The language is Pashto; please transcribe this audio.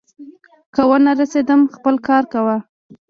که ونه رسېدم، خپل کار کوه.